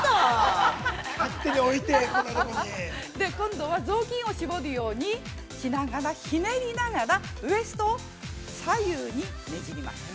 ◆今度は雑巾を絞るようにしながら、ひねりながらウエストを左右にねじります。